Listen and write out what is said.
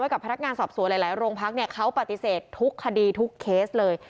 ไว้กับพระรักษณ์งานสอบสวนหลายโรงพักษณ์เนี่ยเขาปฏิเสธทุกคดีทุกเคสเลย